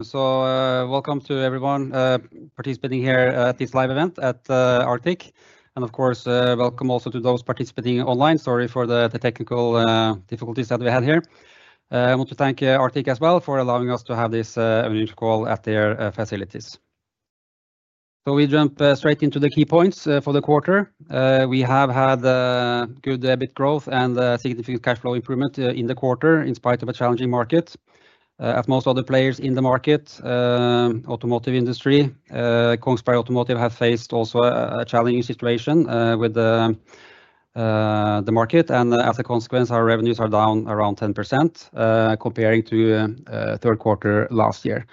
Welcome to everyone participating here at this live event at Arctic. Of course, welcome also to those participating online. Sorry for the technical difficulties that we had here. I want to thank Arctic as well for allowing us to have this event call at their facilities. We jump straight into the key points for the quarter. We have had good EBIT growth and significant cash flow improvement in the quarter in spite of a challenging market. As most other players in the market, the automotive industry, Kongsberg Automotive has faced also a challenging situation with the market, and as a consequence, our revenues are down around 10% compared to the third quarter last year.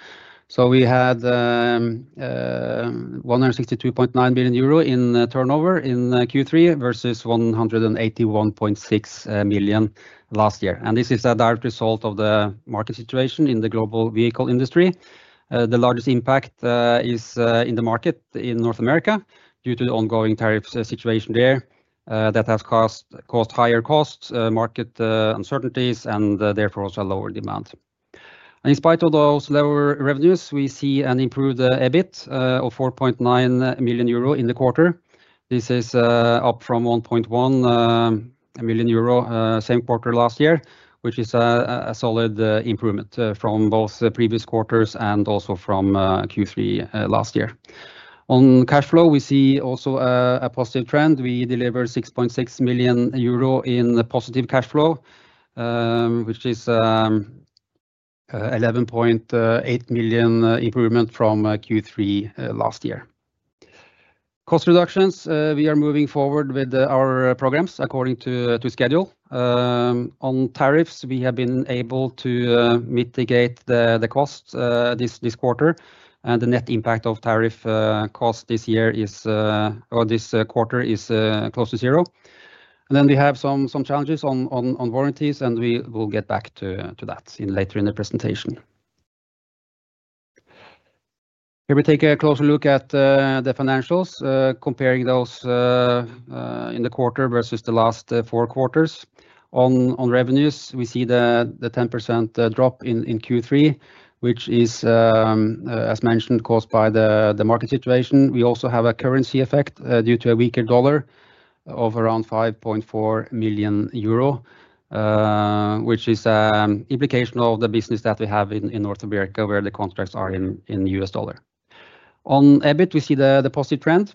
We had 162.9 million euro in turnover in Q3 versus 181.6 million last year. This is a direct result of the market situation in the global vehicle industry. The largest impact is in the market in North America due to the ongoing tariff situation there that has caused higher costs, market uncertainties, and therefore also a lower demand. In spite of those lower revenues, we see an improved EBIT of 4.9 million euro in the quarter. This is up from 1.1 million euro same quarter last year, which is a solid improvement from both previous quarters and also from Q3 last year. On cash flow, we see also a positive trend. We delivered 6.6 million euro in positive cash flow, which is an 11.8 million improvement from Q3 last year. Cost reductions, we are moving forward with our programs according to schedule. On tariffs, we have been able to mitigate the cost this quarter, and the net impact of tariff cost this year or this quarter is close to zero. We have some challenges on warranties, and we will get back to that later in the presentation. Here we take a closer look at the financials, comparing those in the quarter versus the last four quarters. On revenues, we see the 10% drop in Q3, which is, as mentioned, caused by the market situation. We also have a currency effect due to a weaker dollar of around 5.4 million euro, which is an implication of the business that we have in North America where the contracts are in US dollar. On EBIT, we see the positive trend.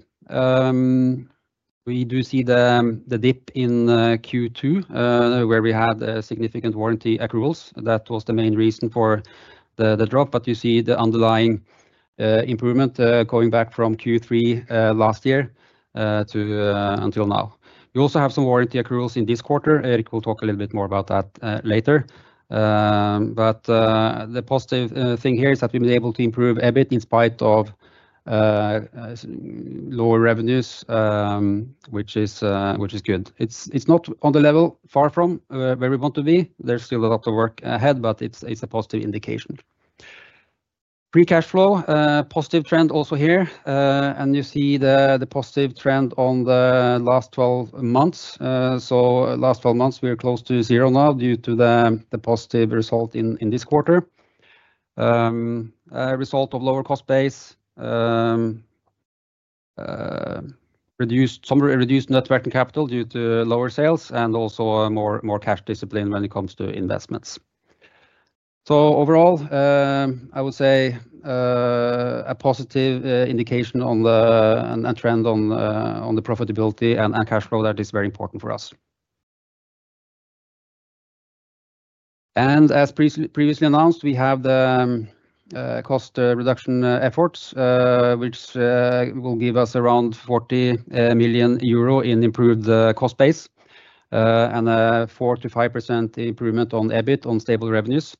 We do see the dip in Q2 where we had significant warranty accruals. That was the main reason for the drop, but you see the underlying improvement going back from Q3 last year until now. We also have some warranty accruals in this quarter. Erik will talk a little bit more about that later. The positive thing here is that we've been able to improve EBIT in spite of lower revenues, which is good. It's not on the level far from where we want to be. There's still a lot of work ahead, but it's a positive indication. Pre-cash flow, positive trend also here. You see the positive trend on the last 12 months. Last 12 months, we are close to zero now due to the positive result in this quarter. Result of lower cost base. Reduced net working capital due to lower sales and also more cash discipline when it comes to investments. Overall, I would say a positive indication on the trend on the profitability and cash flow that is very important for us. As previously announced, we have the cost reduction efforts, which will give us around 40 million euro in improved cost base and a 4%-5% improvement on EBIT on stable revenues.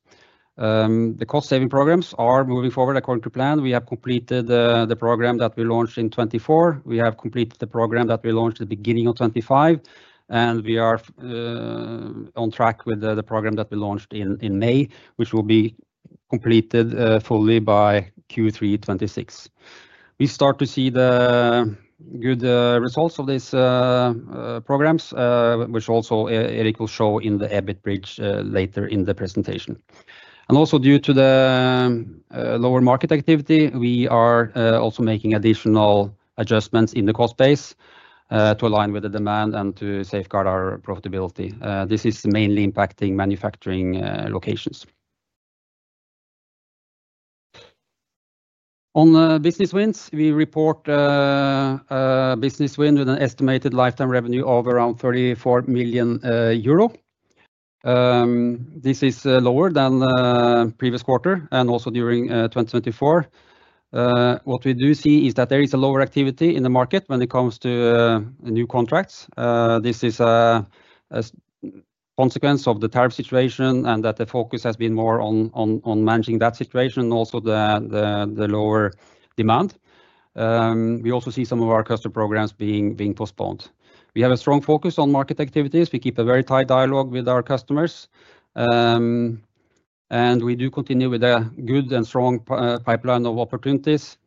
The cost-saving programs are moving forward according to plan. We have completed the program that we launched in 2024. We have completed the program that we launched at the beginning of 2025, and we are on track with the program that we launched in May, which will be completed fully by Q3 2026. We start to see the good results of these programs, which also Erik will show in the EBIT bridge later in the presentation. Also, due to the lower market activity, we are making additional adjustments in the cost base to align with the demand and to safeguard our profitability. This is mainly impacting manufacturing locations. On business wins, we report a business win with an estimated lifetime revenue of around 34 million euro. This is lower than the previous quarter and also during 2024. What we do see is that there is a lower activity in the market when it comes to new contracts. This is a consequence of the tariff situation and that the focus has been more on managing that situation and also the lower demand. We also see some of our customer programs being postponed. We have a strong focus on market activities. We keep a very tight dialogue with our customers. We do continue with a good and strong pipeline of opportunities.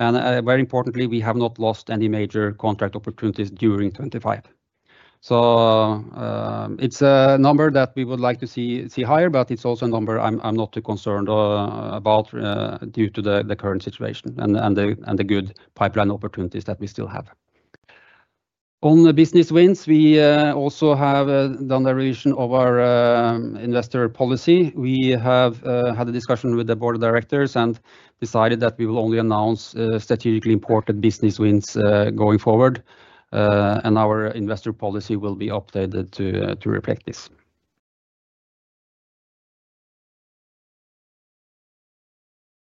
Very importantly, we have not lost any major contract opportunities during 2025. It is a number that we would like to see higher, but it is also a number I am not too concerned about due to the current situation and the good pipeline opportunities that we still have. On business wins, we also have done the revision of our investor policy. We have had a discussion with the board of directors and decided that we will only announce strategically important business wins going forward. Our investor policy will be updated to reflect this.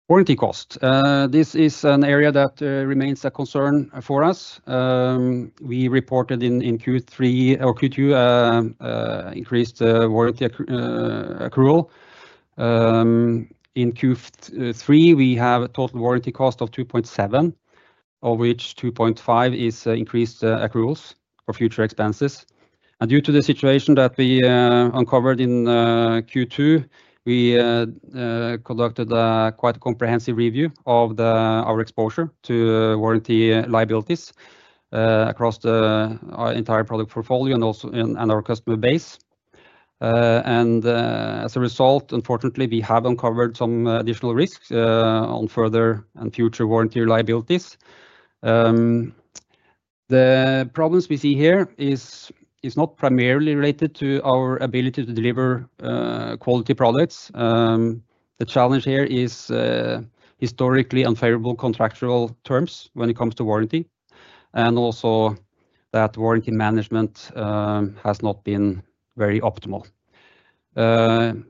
Warranty cost. This is an area that remains a concern for us. We reported in Q3 or Q2 increased warranty accrual. In Q3, we have a total warranty cost of 2.7, of which 2.5 is increased accruals for future expenses. Due to the situation that we uncovered in Q2, we conducted quite a comprehensive review of our exposure to warranty liabilities across the entire product portfolio and our customer base. As a result, unfortunately, we have uncovered some additional risks on further and future warranty liabilities. The problems we see here are not primarily related to our ability to deliver quality products. The challenge here is historically unfavorable contractual terms when it comes to warranty, and also that warranty management has not been very optimal.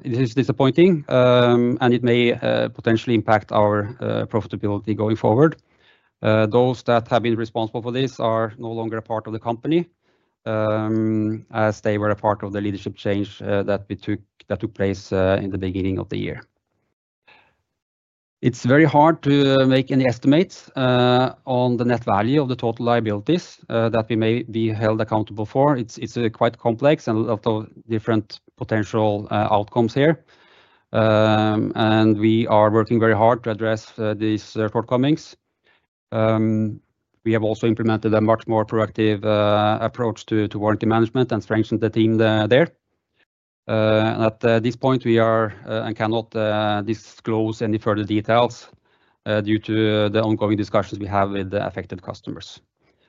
This is disappointing, and it may potentially impact our profitability going forward. Those that have been responsible for this are no longer a part of the company, as they were a part of the leadership change that took place in the beginning of the year. It's very hard to make any estimates on the net value of the total liabilities that we may be held accountable for. It's quite complex and a lot of different potential outcomes here. We are working very hard to address these shortcomings. We have also implemented a much more proactive approach to warranty management and strengthened the team there. At this point, we cannot disclose any further details due to the ongoing discussions we have with affected customers.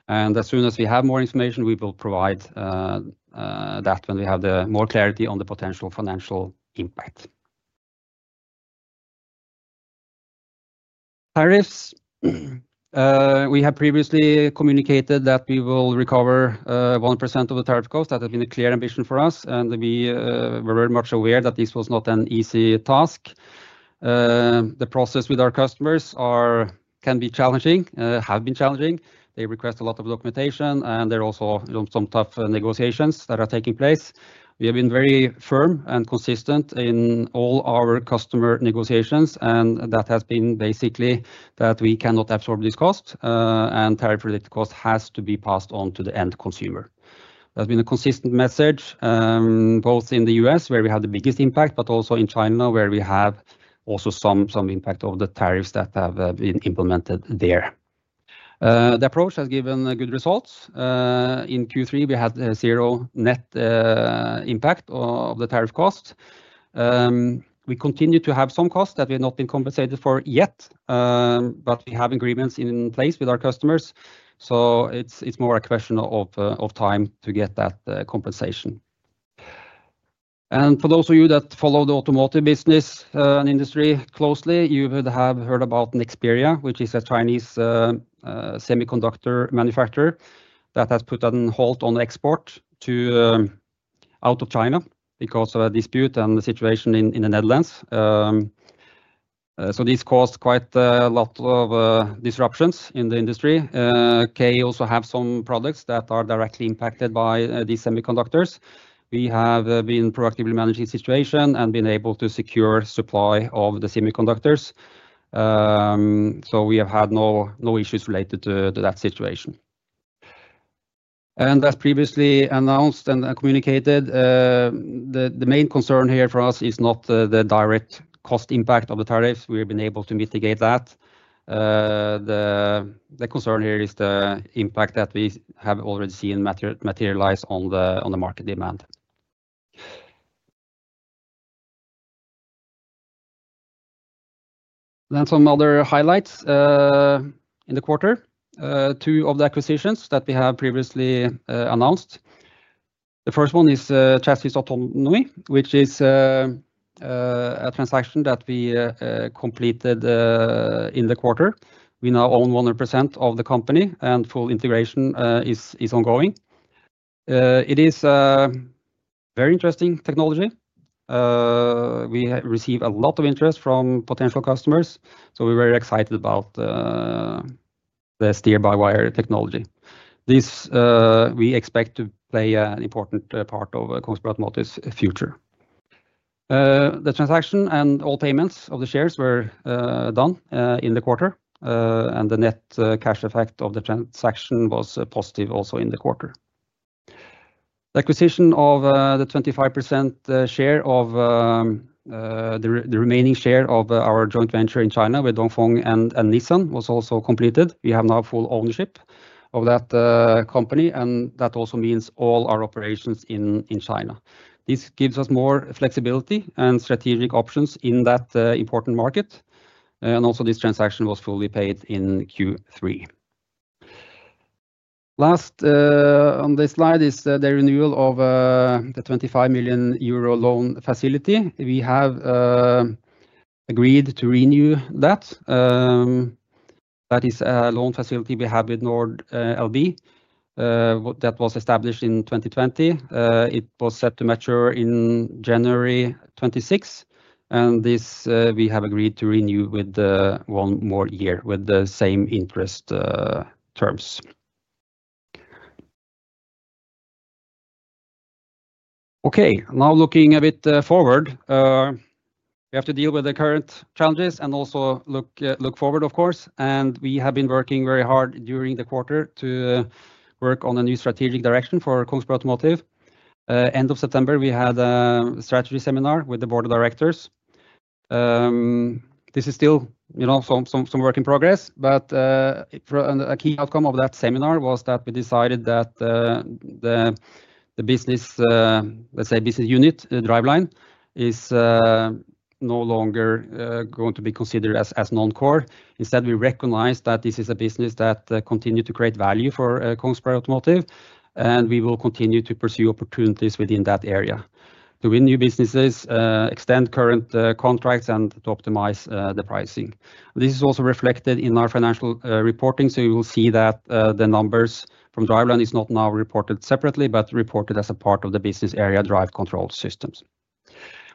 As soon as we have more information, we will provide that when we have more clarity on the potential financial impact. Tariffs. We have previously communicated that we will recover 1% of the tariff cost. That has been a clear ambition for us, and we were very much aware that this was not an easy task. The process with our customers can be challenging, have been challenging. They request a lot of documentation, and there are also some tough negotiations that are taking place. We have been very firm and consistent in all our customer negotiations, and that has been basically that we cannot absorb this cost, and tariff-related cost has to be passed on to the end consumer. That's been a consistent message both in the U.S., where we had the biggest impact, but also in China, where we have also some impact of the tariffs that have been implemented there. The approach has given good results. In Q3, we had zero net impact of the tariff cost. We continue to have some costs that we have not been compensated for yet, but we have agreements in place with our customers, so it's more a question of time to get that compensation. For those of you that follow the automotive business and industry closely, you would have heard about Nexperia, which is a Chinese semiconductor manufacturer that has put a halt on export out of China because of a dispute and the situation in the Netherlands. This caused quite a lot of disruptions in the industry. KA also has some products that are directly impacted by these semiconductors. We have been proactively managing the situation and been able to secure supply of the semiconductors, so we have had no issues related to that situation. As previously announced and communicated, the main concern here for us is not the direct cost impact of the tariffs. We have been able to mitigate that. The concern here is the impact that we have already seen materialize on the market demand. Then some other highlights in the quarter. Two of the acquisitions that we have previously announced. The first one is Chassis Autonomy, which is a transaction that we completed in the quarter. We now own 100% of the company, and full integration is ongoing. It is a very interesting technology. We receive a lot of interest from potential customers, so we're very excited about the steer-by-wire technology. We expect to play an important part of Kongsberg Automotive's future. The transaction and all payments of the shares were done in the quarter, and the net cash effect of the transaction was positive also in the quarter. The acquisition of the 25% share of the remaining share of our joint venture in China with Dongfeng and Nissan was also completed. We have now full ownership of that company, and that also means all our operations in China. This gives us more flexibility and strategic options in that important market. Also, this transaction was fully paid in Q3. Last on this slide is the renewal of the 25 million euro loan facility. We have agreed to renew that. That is a loan facility we have with NORD/LB. That was established in 2020. It was set to mature in January 2026, and this we have agreed to renew with one more year with the same interest terms. Okay, now looking a bit forward. We have to deal with the current challenges and also look forward, of course. We have been working very hard during the quarter to work on a new strategic direction for Kongsberg Automotive. End of September, we had a strategy seminar with the board of directors. This is still some work in progress, but a key outcome of that seminar was that we decided that the business, let's say business unit, the driveline, is no longer going to be considered as non-core. Instead, we recognize that this is a business that continues to create value for Kongsberg Automotive, and we will continue to pursue opportunities within that area to win new businesses, extend current contracts, and to optimize the pricing. This is also reflected in our financial reporting, so you will see that the numbers from driveline are not now reported separately, but reported as a part of the business area Drive Control Systems.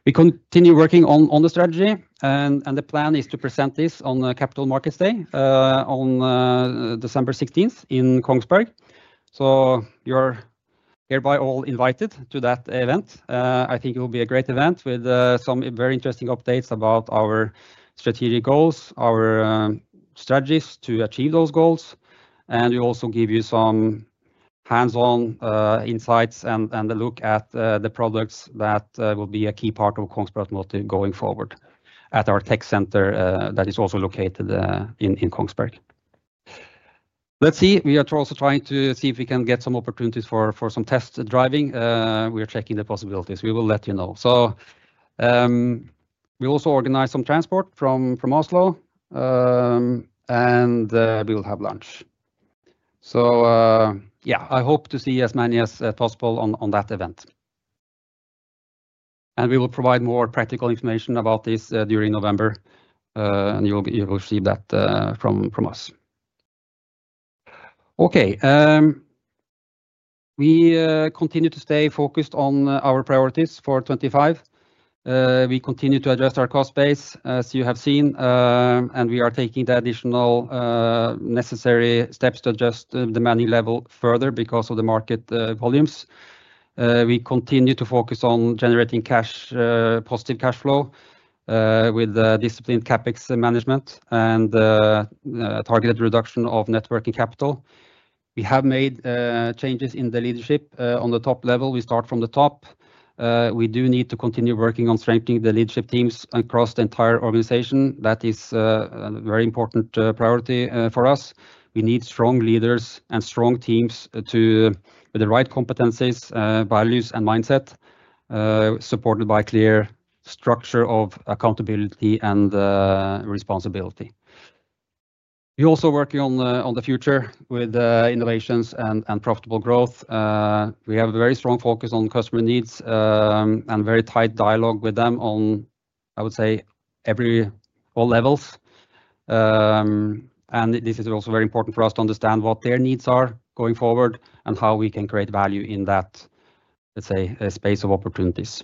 We continue working on the strategy, and the plan is to present this on Capital Markets Day on December 16th in Kongsberg. You are hereby all invited to that event. I think it will be a great event with some very interesting updates about our strategic goals, our strategies to achieve those goals, and we'll also give you some hands-on insights and a look at the products that will be a key part of Kongsberg Automotive going forward at our tech center that is also located in Kongsberg. Let's see. We are also trying to see if we can get some opportunities for some test driving. We are checking the possibilities. We will let you know. We also organized some transport from Oslo. We will have lunch. I hope to see as many as possible on that event. We will provide more practical information about this during November. You will receive that from us. We continue to stay focused on our priorities for 2025. We continue to address our cost base, as you have seen, and we are taking the additional necessary steps to adjust the money level further because of the market volumes. We continue to focus on generating positive cash flow with disciplined CapEx management and targeted reduction of networking capital. We have made changes in the leadership on the top level. We start from the top. We do need to continue working on strengthening the leadership teams across the entire organization. That is a very important priority for us. We need strong leaders and strong teams with the right competencies, values, and mindset, supported by a clear structure of accountability and responsibility. We are also working on the future with innovations and profitable growth. We have a very strong focus on customer needs and very tight dialogue with them on, I would say, all levels. This is also very important for us to understand what their needs are going forward and how we can create value in that, let's say, space of opportunities.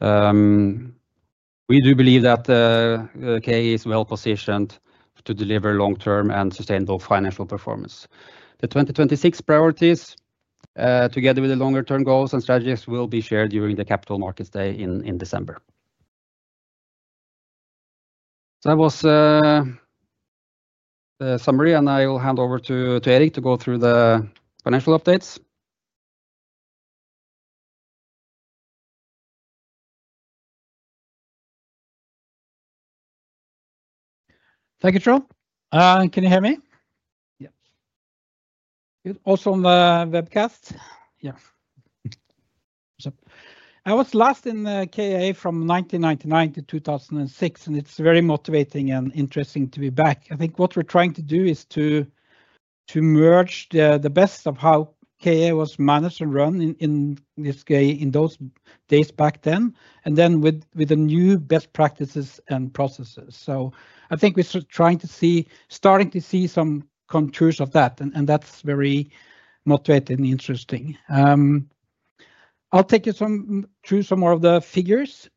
We do believe that KA is well positioned to deliver long-term and sustainable financial performance. The 2026 priorities, together with the longer-term goals and strategies, will be shared during the Capital Markets Day in December. That was the summary, and I will hand over to Erik to go through the financial updates. Thank you, Trond. Can you hear me? Yeah. Good. Also on the webcast. Yeah. I was last in KA from 1999 to 2006, and it's very motivating and interesting to be back. I think what we are trying to do is to merge the best of how KA was managed and run in those days back then, and then with the new best practices and processes. I think we are starting to see some contours of that, and that's very motivating and interesting. I'll take you through some more of the figures.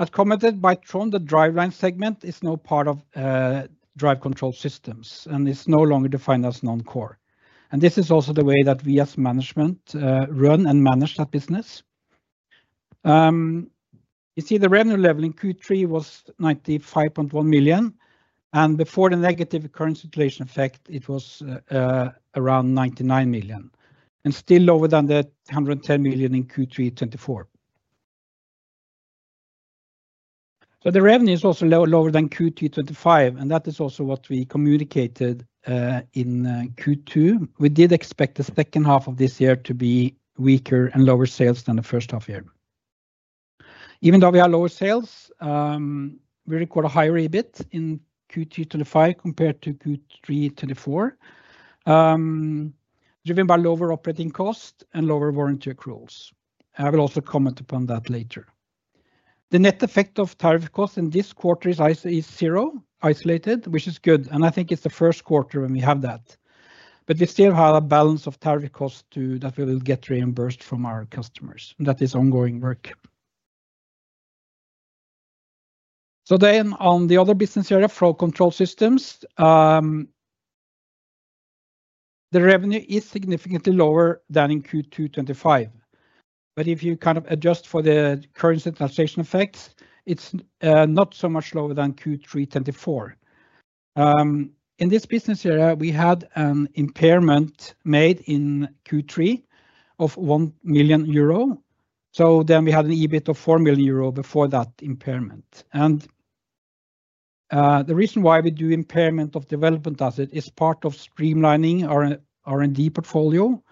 As commented by Trond, the driveline segment is now part of Drive Control Systems, and it's no longer defined as non-core. This is also the way that we as management run and manage that business. You see, the revenue level in Q3 was 95.1 million, and before the negative current situation effect, it was around 99 million, and still lower than the 110 million in Q3 2024. The revenue is also lower than Q3 2025, and that is also what we communicated in Q2. We did expect the second half of this year to be weaker and lower sales than the first half year. Even though we had lower sales, we recorded a higher EBIT in Q2 2025 compared to Q3 2024, driven by lower operating costs and lower warranty accruals. I will also comment upon that later. The net effect of tariff costs in this quarter is zero, isolated, which is good, and I think it is the first quarter when we have that. We still have a balance of tariff costs that we will get reimbursed from our customers, and that is ongoing work. On the other business area, fraud control systems, the revenue is significantly lower than in Q2 2025. If you kind of adjust for the current centralization effects, it is not so much lower than Q3 2024. In this business area, we had an impairment made in Q3 of 1 million euro. We had an EBIT of 4 million euro before that impairment. The reason why we do impairment of development asset is part of streamlining our R&D portfolio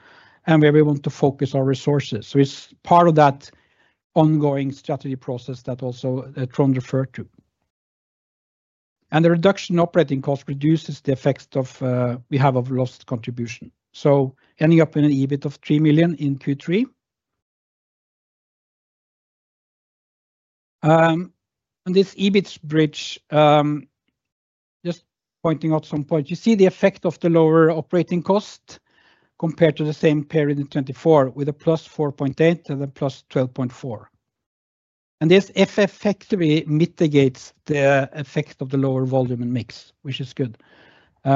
and where we want to focus our resources. It is part of that ongoing strategy process that also Trond referred to. The reduction in operating costs reduces the effect we have of lost contribution, ending up in an EBIT of 3 million in Q3. This EBIT bridge, just pointing out some points, you see the effect of the lower operating cost compared to the same period in 2024 with a +4.8 and a +12.4. This effectively mitigates the effect of the lower volume and mix, which is good. As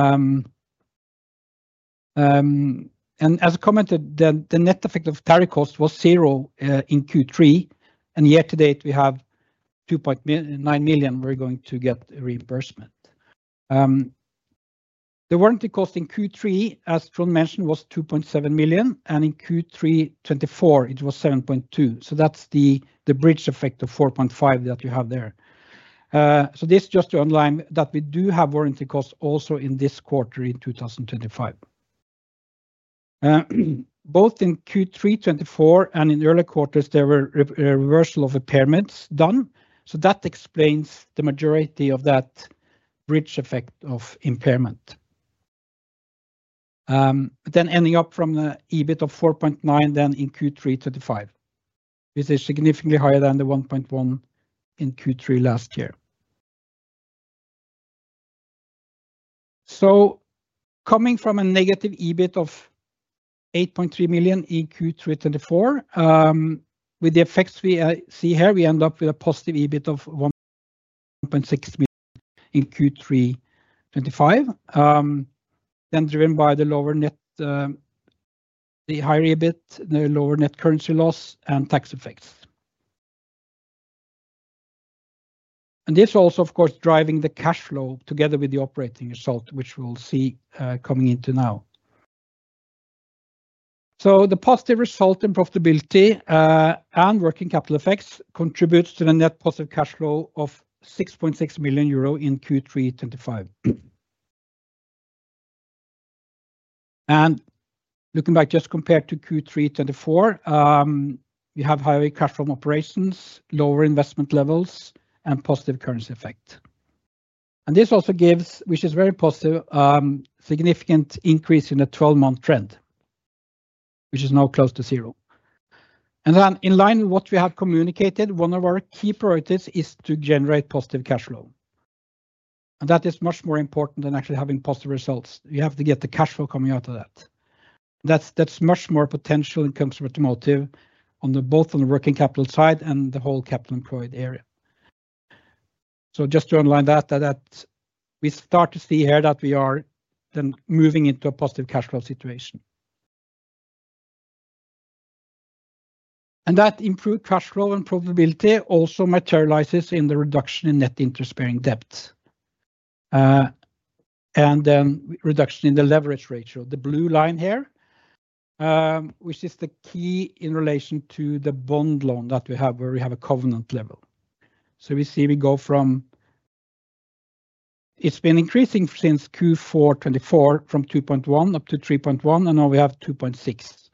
I commented, the net effect of tariff costs was zero in Q3, and year-to-date, we have 2.9 million we are going to get reimbursement. The warranty cost in Q3, as Trond mentioned, was 2.7 million, and in Q3 2024, it was 7.2 million. That is the bridge effect of 4.5 that you have there. This is just to underline that we do have warranty costs also in this quarter in 2025. Both in Q3 2024 and in early quarters, there were reversal of impairments done. That explains the majority of that bridge effect of impairment. Ending up from the EBIT of 4.9 then in Q3 2025, this is significantly higher than the 1.1 in Q3 last year. Coming from a negative EBIT of 8.3 million in Q3 2024, with the effects we see here, we end up with a positive EBIT of 1.6 million in Q3 2025, driven by the lower net, the higher EBIT, the lower net currency loss, and tax effects. This is also, of course, driving the cash flow together with the operating result, which we will see coming into now. The positive result in profitability and working capital effects contributes to the net positive cash flow of 6.6 million euro in Q3 2025. Looking back, just compared to Q3 2024. We have higher cash flow operations, lower investment levels, and positive currency effect. This also gives, which is very positive, a significant increase in the 12-month trend, which is now close to zero. In line with what we have communicated, one of our key priorities is to generate positive cash flow. That is much more important than actually having positive results. You have to get the cash flow coming out of that. There is much more potential in Kongsberg Automotive, both on the working capital side and the whole capital employed area. Just to underline that, we start to see here that we are moving into a positive cash flow situation. That improved cash flow and profitability also materializes in the reduction in net interest-bearing debt and the reduction in the leverage ratio, the blue line here, which is the key in relation to the bond loan that we have, where we have a covenant level. We see we go from, it has been increasing since Q4 2024 from 2.1 up to 3.1, and now we have 2.6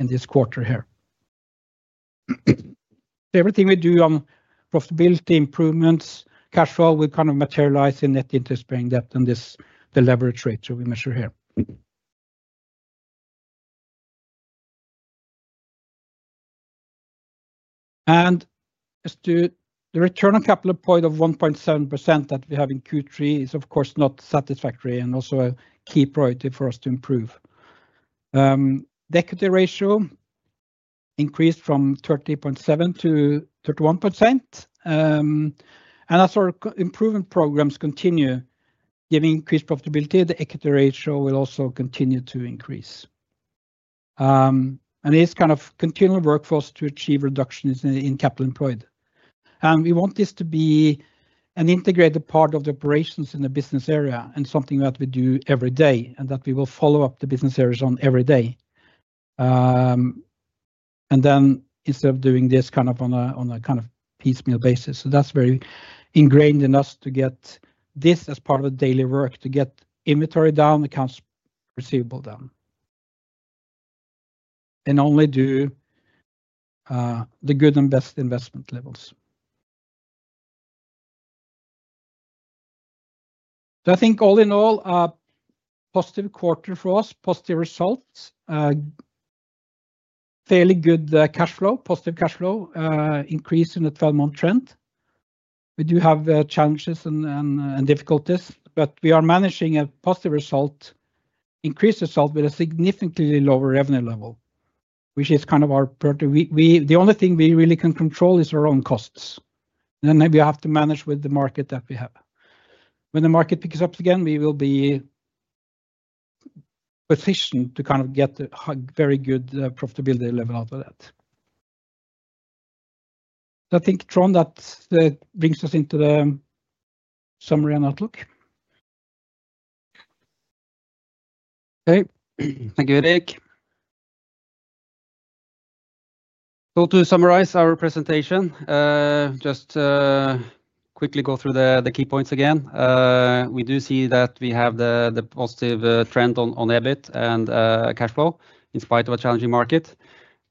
in this quarter. Everything we do on profitability improvements, cash flow, we kind of materialize in net interest-bearing debt and the leverage ratio we measure here. The return on capital point of 1.7% that we have in Q3 is, of course, not satisfactory and also a key priority for us to improve. The equity ratio increased from 30.7% to 31%. As our improvement programs continue giving increased profitability, the equity ratio will also continue to increase. It is kind of continuing work for us to achieve reductions in capital employed. We want this to be an integrated part of the operations in the business area and something that we do every day and that we will follow up the business areas on every day, instead of doing this on a kind of piecemeal basis. That is very ingrained in us to get this as part of the daily work, to get inventory down, accounts receivable down, and only do the good and best investment levels. I think all in all, a positive quarter for us, positive results, fairly good cash flow, positive cash flow increase in the 12-month trend. We do have challenges and difficulties, but we are managing a positive result, increased result with a significantly lower revenue level, which is kind of our priority. The only thing we really can control is our own costs. We have to manage with the market that we have. When the market picks up again, we will be positioned to get a very good profitability level out of that. I think, Trond, that brings us into the summary and outlook. Okay. Thank you, Erik. To summarize our presentation, just quickly go through the key points again. We do see that we have the positive trend on EBIT and cash flow in spite of a challenging market.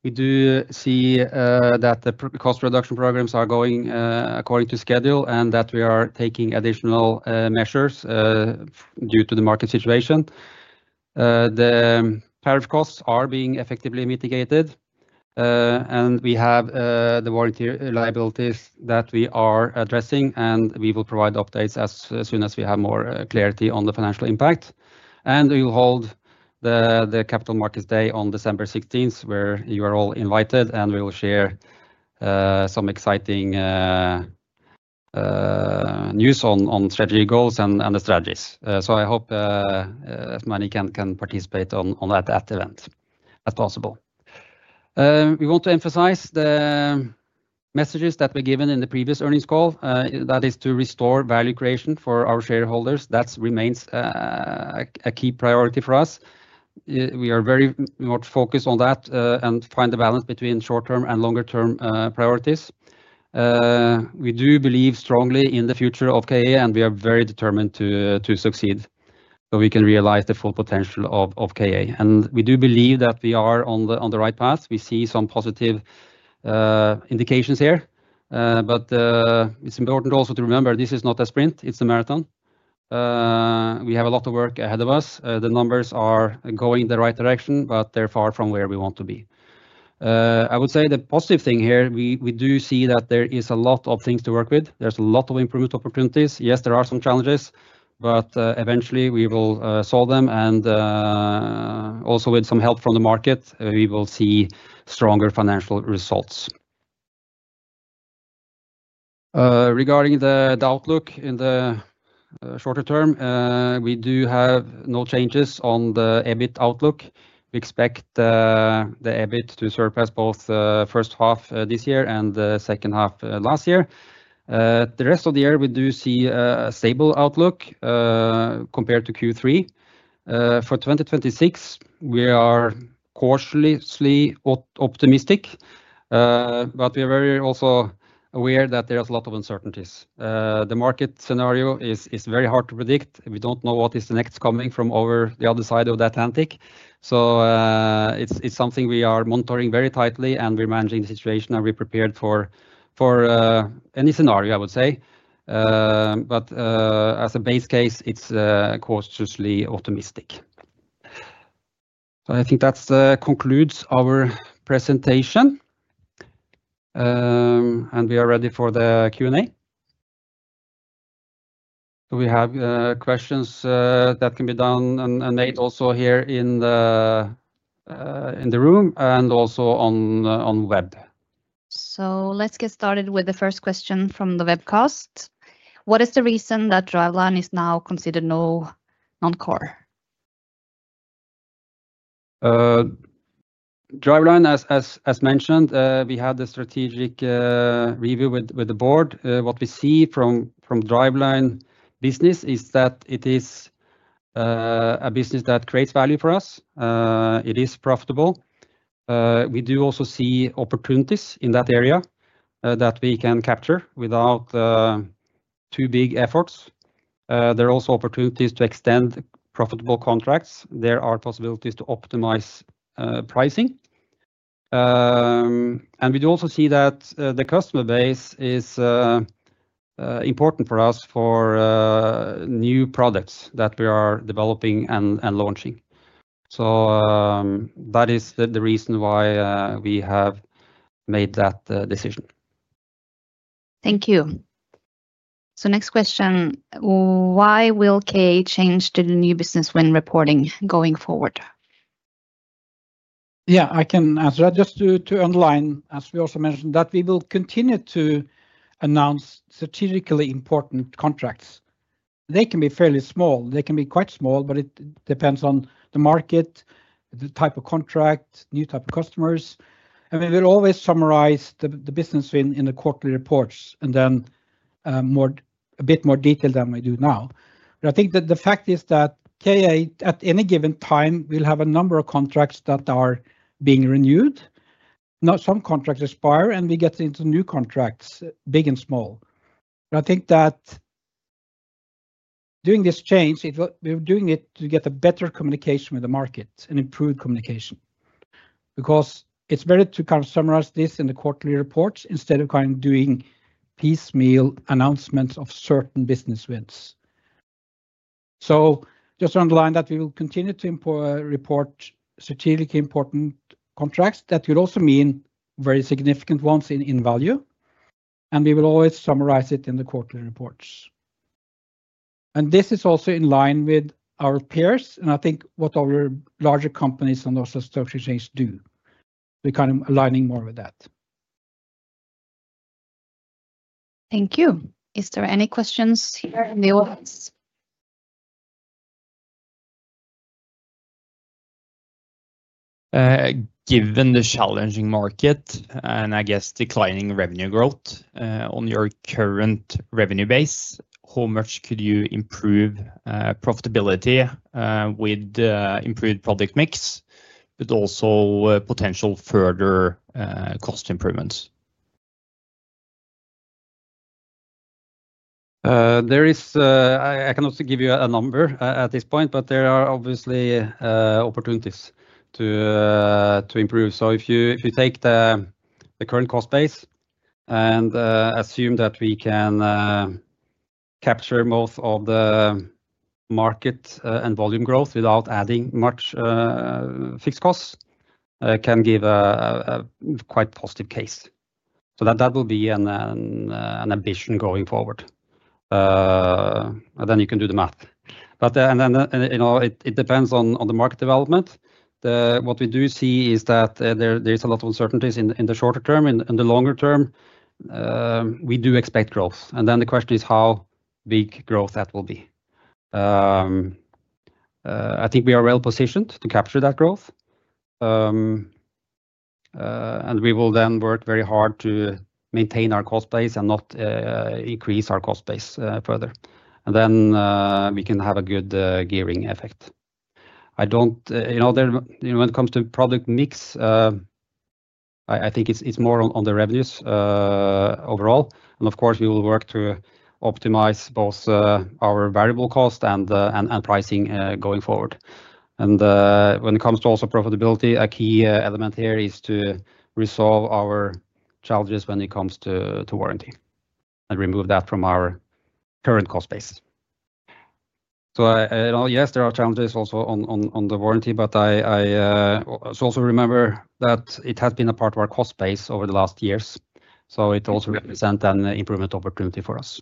We do see that the cost reduction programs are going according to schedule and that we are taking additional measures due to the market situation. The tariff costs are being effectively mitigated. We have the warranty liabilities that we are addressing, and we will provide updates as soon as we have more clarity on the financial impact. We will hold the Capital Markets Day on December 16th, where you are all invited, and we will share some exciting news on strategy goals and the strategies. I hope as many can participate on that event as possible. We want to emphasize the messages that were given in the previous earnings call. That is to restore value creation for our shareholders. That remains a key priority for us. We are very much focused on that and find the balance between short-term and longer-term priorities. We do believe strongly in the future of KA, and we are very determined to succeed so we can realize the full potential of KA. We do believe that we are on the right path. We see some positive indications here, but it's important also to remember this is not a sprint; it's a marathon. We have a lot of work ahead of us. The numbers are going in the right direction, but they're far from where we want to be. I would say the positive thing here, we do see that there is a lot of things to work with. There's a lot of improvement opportunities. Yes, there are some challenges, but eventually we will solve them. Also with some help from the market, we will see stronger financial results. Regarding the outlook in the shorter term, we do have no changes on the EBIT outlook. We expect the EBIT to surpass both the first half this year and the second half last year. The rest of the year, we do see a stable outlook compared to Q3. For 2026, we are cautiously optimistic. We are very also aware that there are a lot of uncertainties. The market scenario is very hard to predict. We don't know what is next coming from over the other side of the Atlantic. It is something we are monitoring very tightly, and we're managing the situation, and we're prepared for any scenario, I would say. As a base case, it's cautiously optimistic. I think that concludes our presentation. We are ready for the Q&A. We have questions that can be done and made also here in the room and also on web. Let's get started with the first question from the webcast. What is the reason that Driveline is now considered non-core? Driveline, as mentioned, we had the strategic review with the board. What we see from Driveline business is that it is a business that creates value for us. It is profitable. We do also see opportunities in that area that we can capture without too big efforts. There are also opportunities to extend profitable contracts. There are possibilities to optimize pricing. We do also see that the customer base is important for us for new products that we are developing and launching. That is the reason why we have made that decision. Thank you. Next question. Why will KA change to the new business when reporting going forward? Yeah, I can answer that. Just to underline, as we also mentioned, we will continue to announce strategically important contracts. They can be fairly small. They can be quite small, but it depends on the market, the type of contract, new type of customers. We will always summarize the business in the quarterly reports and then a bit more detail than we do now. I think that the fact is that KA, at any given time, will have a number of contracts that are being renewed. Some contracts expire, and we get into new contracts, big and small. I think that doing this change, we are doing it to get a better communication with the market and improved communication. It is better to kind of summarize this in the quarterly reports instead of kind of doing piecemeal announcements of certain business wins. Just to underline that, we will continue to report strategically important contracts that could also mean very significant ones in value. We will always summarize it in the quarterly reports. This is also in line with our peers, and I think what our larger companies and also associates do. We are kind of aligning more with that. Thank you. Is there any questions here in the audience? Given the challenging market and I guess declining revenue growth on your current revenue base, how much could you improve profitability with improved project mix, but also potential further cost improvements? I can also give you a number at this point, but there are obviously opportunities to improve. If you take the current cost base and assume that we can capture most of the market and volume growth without adding much fixed costs, it can give a quite positive case. That will be an ambition going forward. You can do the math. It depends on the market development. What we do see is that there is a lot of uncertainties in the shorter term. In the longer term, we do expect growth. The question is how big growth that will be. I think we are well positioned to capture that growth. We will then work very hard to maintain our cost base and not increase our cost base further. We can have a good gearing effect. When it comes to product mix, I think it is more on the revenues overall. Of course, we will work to optimize both our variable cost and pricing going forward. When it comes to profitability, a key element here is to resolve our challenges when it comes to warranty and remove that from our current cost base. Yes, there are challenges also on the warranty, but also remember that it has been a part of our cost base over the last years. It also represents an improvement opportunity for us.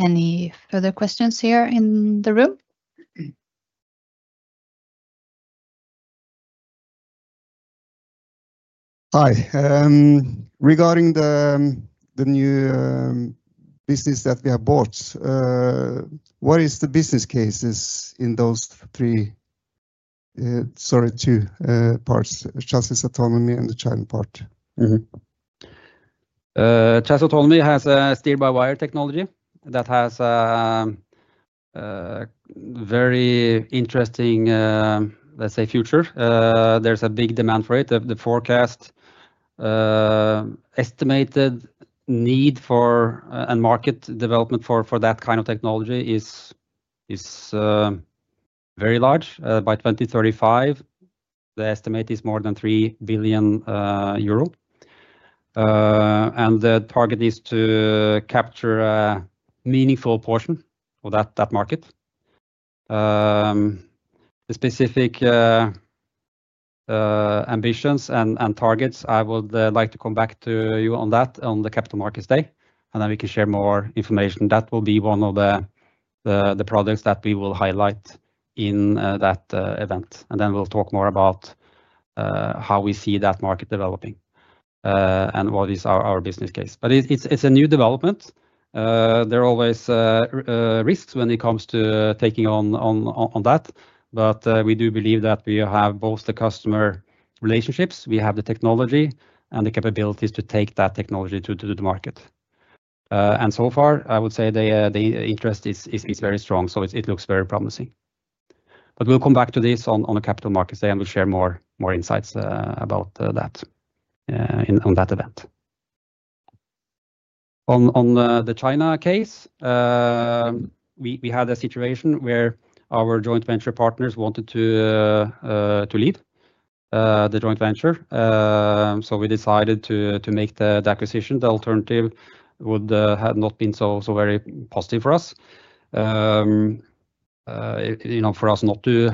Any further questions here in the room? Hi. Regarding the new business that we have bought, what is the business case in those three—sorry, two parts, Chassis Autonomy and the China part? Chassis Autonomy has a steer-by-wire technology that has a very interesting, let's say, future. There is a big demand for it. The forecasted estimated need for and market development for that kind of technology is very large. By 2035, the estimate is more than 3 billion euro, and the target is to capture a meaningful portion of that market. The specific ambitions and targets, I would like to come back to you on that on the Capital Markets Day, and then we can share more information. That will be one of the products that we will highlight in that event, and then we will talk more about how we see that market developing and what is our business case. It is a new development. There are always risks when it comes to taking on that, but we do believe that we have both the customer relationships, we have the technology, and the capabilities to take that technology to the market. So far, I would say the interest is very strong, so it looks very promising. We will come back to this on the Capital Markets Day and we will share more insights about that at that event. On the China case, we had a situation where our joint venture partners wanted to leave the joint venture, so we decided to make the acquisition. The alternative would not have been so very positive for us. For us not to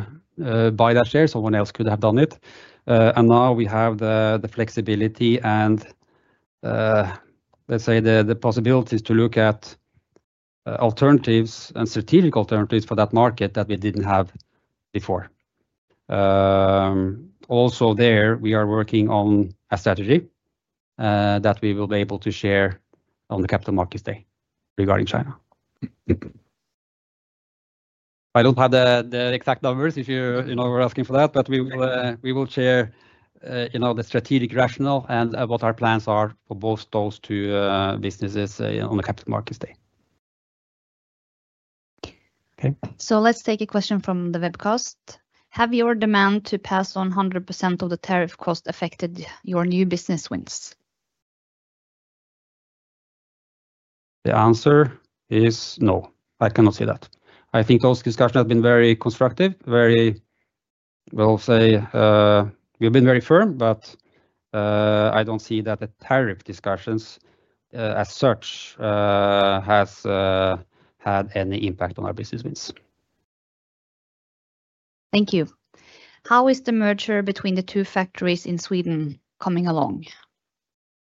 buy that share, someone else could have done it, and now we have the flexibility and, let's say, the possibilities to look at alternatives and strategic alternatives for that market that we did not have before. Also there, we are working on a strategy that we will be able to share on the Capital Markets Day regarding China. I do not have the exact numbers if you were asking for that, but we will share the strategic rationale and what our plans are for both those two businesses on the Capital Markets Day. Okay. Let's take a question from the webcast. Have your demand to pass on 100% of the tariff cost affected your new business wins? The answer is no. I cannot see that. I think those discussions have been very constructive, very, I will say, we have been very firm, but I do not see that the tariff discussions as such. Has had any impact on our business wins. Thank you. How is the merger between the two factories in Sweden coming along?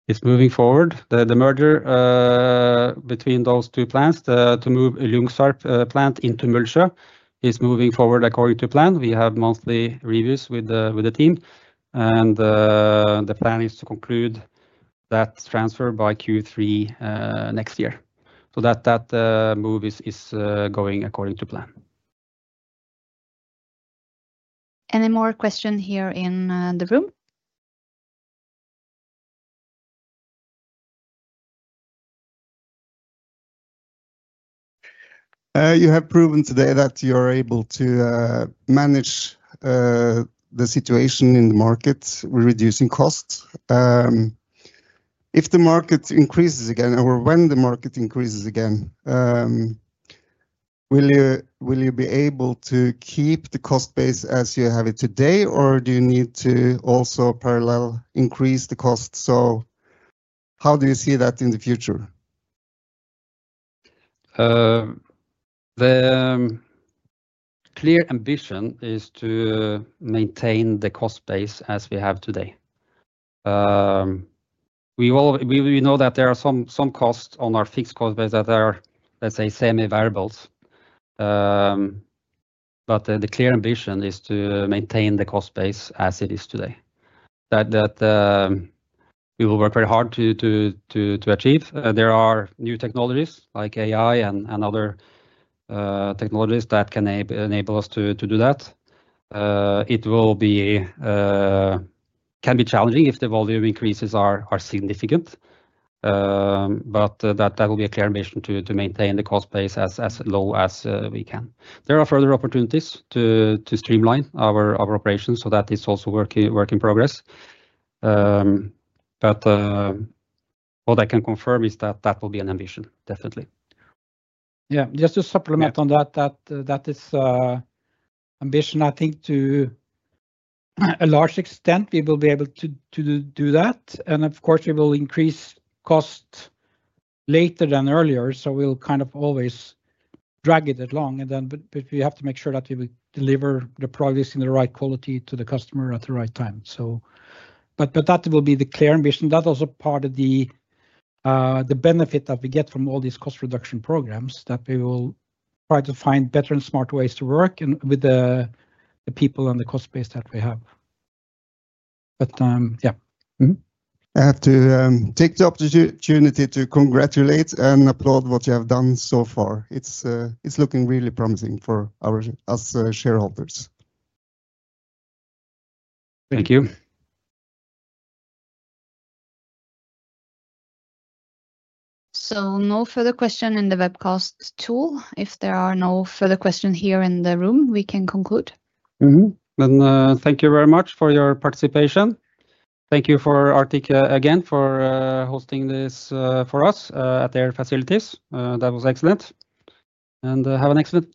It's moving forward. The merger between those two plants to move Ljungsarp plant into Mullsjö is moving forward according to plan. We have monthly reviews with the team. The plan is to conclude that transfer by Q3 next year. That move is going according to plan. Any more questions here in the room? You have proven today that you're able to manage the situation in the market with reducing costs. If the market increases again, or when the market increases again, will you be able to keep the cost base as you have it today, or do you need to also parallel increase the cost? How do you see that in the future? The clear ambition is to maintain the cost base as we have today. We know that there are some costs on our fixed cost base that are, let's say, semi-variables. The clear ambition is to maintain the cost base as it is today. We will work very hard to achieve. There are new technologies like AI and other technologies that can enable us to do that. It will be, can be challenging if the volume increases are significant. That will be a clear ambition to maintain the cost base as low as we can. There are further opportunities to streamline our operations, so that is also work in progress. What I can confirm is that that will be an ambition, definitely. Yeah. Just to supplement on that, that is ambition, I think, to a large extent, we will be able to do that. Of course, we will increase cost later than earlier. We'll kind of always drag it along. We have to make sure that we will deliver the products in the right quality to the customer at the right time. That will be the clear ambition. That's also part of the benefit that we get from all these cost reduction programs, that we will try to find better and smart ways to work with the people and the cost base that we have. Yeah. I have to take the opportunity to congratulate and applaud what you have done so far. It's looking really promising for us shareholders. Thank you. No further questions in the webcast tool. If there are no further questions here in the room, we can conclude. Thank you very much for your participation. Thank you again for hosting this for us at their facilities. That was excellent. And have an excellent.